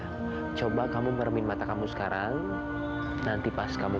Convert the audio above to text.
kamu melihat aku mau pulang ke rumah kamu bisa lihat aku di mana kamu ada